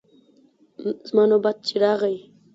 زما نوبت چې راغی.